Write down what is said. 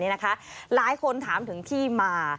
หลายคนถามถึงที่มา